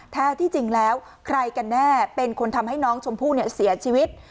แท้ที่จริงแล้วใครกันแน่เป็นคนทำให้น้องชมพู่เนี่ยเสียชีวิต